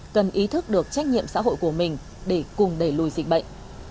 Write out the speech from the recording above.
cần ý thức được trách nhiệm xã hội của mình để cùng đẩy lùi dịch bệnh